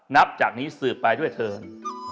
นับจากนี้สืบไปด้วยเถิน